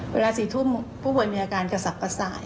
เวลา๔ทุ่มผู้ป่วยมีอาการกระสับกระส่าย